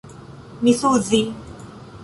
misuzi